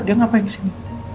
dia ngapain disini